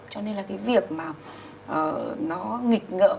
cho nên là cái việc mà nó nghịch ngợm